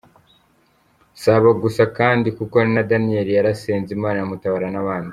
Si aba gusa kandi kuko na Daniyeli yarasenze Imana iramutabara n’abandi.